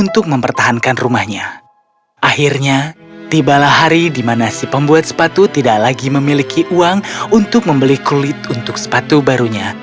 akhirnya tibalah hari di mana si pembuat sepatu tidak lagi memiliki uang untuk membeli kulit untuk sepatu barunya